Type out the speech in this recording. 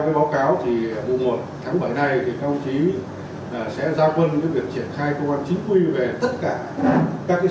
theo báo cáo mùa một tháng bảy nay công chí sẽ ra quân việc triển khai công an chính quy về tất cả các xã phường